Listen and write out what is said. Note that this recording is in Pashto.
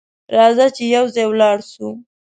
راځه چې یو ځای ولاړ سو!